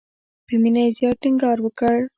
په مینه یې زیات ټینګار وکړ.